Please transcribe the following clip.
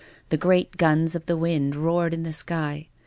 The great guns of the wind roared in the sky.